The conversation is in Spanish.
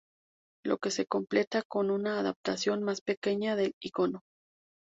Lo que se complementa con una adaptación más pequeña del icono.